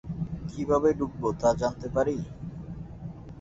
কীভাবে ঢুকব তা জানতে পারি?